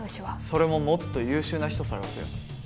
それももっと優秀な人探すよ